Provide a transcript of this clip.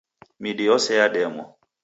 Midi yose yademwa